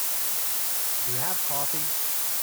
Do you have coffee?